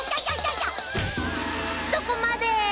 そこまで！